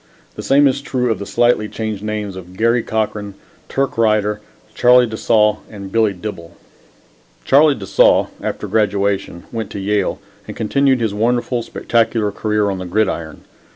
The same is true of the slightly changed names of Garry Cochran, Turk Righter, Charlie de Saulles and Billy Dibble. Charlie de Saulles, after graduation, went to Yale and continued his wonderful, spectacular career on the gridiron.